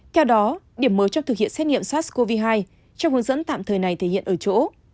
theo đó điểm mới trong thực hiện xét nghiệm sars cov hai trong hướng dẫn tạm thời này thể hiện ở chỗ